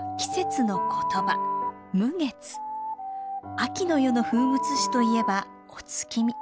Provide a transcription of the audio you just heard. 秋の夜の風物詩といえばお月見。